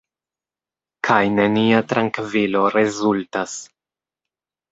Kaj nenia trankvilo rezultas.